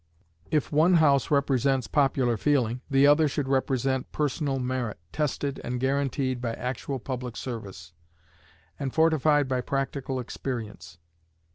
If one House represents popular feeling, the other should represent personal merit, tested and guaranteed by actual public service, and fortified by practical experience.